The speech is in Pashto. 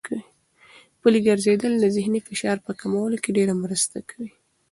پلي ګرځېدل د ذهني فشار په کمولو کې ډېره مرسته کوي.